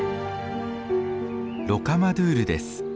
ロカマドゥールです。